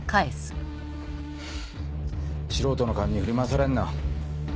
素人の勘に振り回されんな。